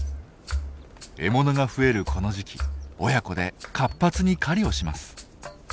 獲物が増えるこの時期親子で活発に狩りをします。